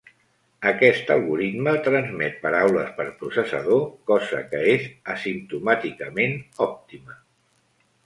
Aquest algoritme transmet paraules per processador, cosa que és asimptomàticament òptima.